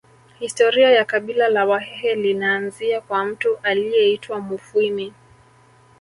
Historia ya kabila la Wahehe linaanzia kwa mtu aliyeitwa Mufwimi